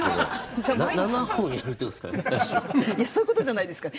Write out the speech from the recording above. いやそういうことじゃないですか。